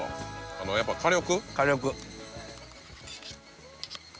あのやっぱ火力？